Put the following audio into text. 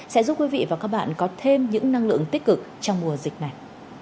sẽ giúp quý vị và các bạn có thêm những năng lượng tích cực trong mùa dịch này